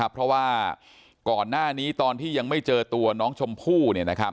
เพราะว่าก่อนหน้านี้ตอนที่ยังไม่เจอตัวน้องชมพู่